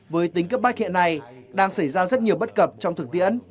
với tính cấp bách hiện nay đang xảy ra rất nhiều bất cập trong thực tiễn